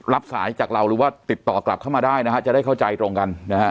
รับสายจากเราหรือว่าติดต่อกลับเข้ามาได้นะฮะจะได้เข้าใจตรงกันนะฮะ